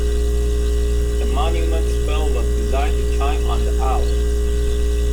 The monument's bell was designed to chime on the hour.